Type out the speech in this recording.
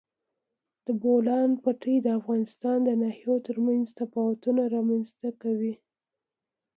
د بولان پټي د افغانستان د ناحیو ترمنځ تفاوتونه رامنځ ته کوي.